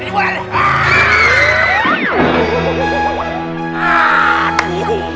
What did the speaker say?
ya allah ya allah